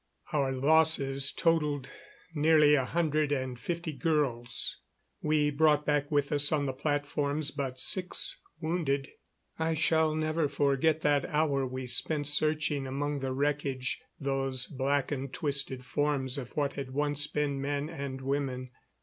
Our losses totaled nearly a hundred and fifty girls. We brought back with us on the platforms but six wounded. I shall never forget that hour we spent searching among the wreckage those blackened, twisted forms of what had once been men and women.